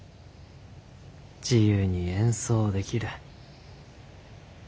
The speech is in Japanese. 自由に演奏できる。